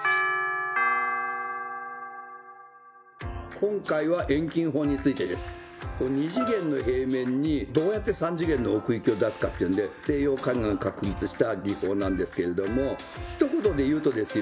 今回は「遠近法」についてです。二次元の平面にどうやって三次元の奥行きを出すかっていうんで西洋絵画が確立した技法なんですけれどもひと言で言うとですよ